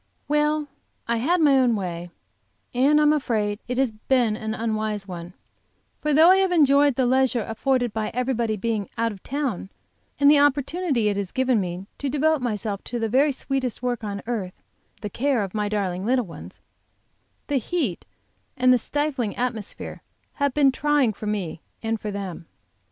WELL, I had my own way, and I am afraid it has been an unwise one, for though I have enjoyed the leisure afforded by everybody being out of town, and the opportunity it has given me to devote myself to the very sweetest work on earth, the care of my darling little ones, the heat and the stifling atmosphere have been trying for me and for them.